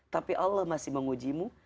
tapi allah masih menguji mu